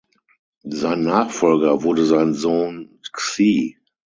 Sein Nachfolger wurde sein Sohn Xie.